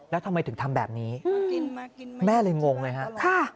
แล้วทำไมถึงทำแบบนี้แม่เลยงงไงฮะ